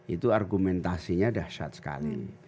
itu argumentasinya dahsyat sekali